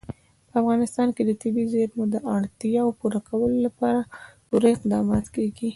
په افغانستان کې د طبیعي زیرمو د اړتیاوو پوره کولو لپاره پوره اقدامات کېږي.